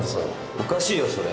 おかしいよそれ。